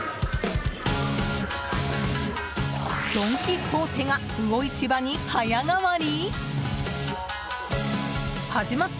ドン・キホーテが魚市場に早変わり？